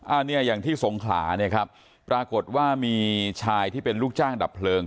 อันนี้อย่างที่สงขลาเนี่ยครับปรากฏว่ามีชายที่เป็นลูกจ้างดับเพลิง